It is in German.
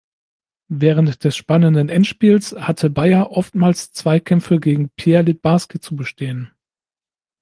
Während des spannenden Endspiels hatte Baier oftmals Zweikämpfe gegen Pierre Littbarski zu bestehen.